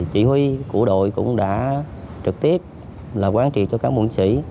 chỉ huy của đội cũng đã trực tiếp là quan trị cho các mụn sĩ